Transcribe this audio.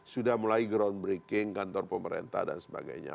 sudah mulai ground breaking kantor pemerintah dan sebagainya